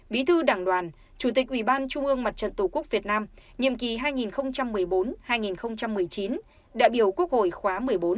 bí thư đảng đoàn chủ tịch ủy ban trung ương mặt trận tổ quốc việt nam nhiệm kỳ hai nghìn một mươi bốn hai nghìn một mươi chín đại biểu quốc hội khóa một mươi bốn